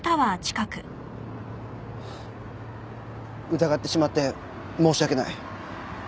疑ってしまって申し訳ない。